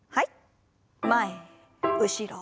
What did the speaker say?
前後ろ前。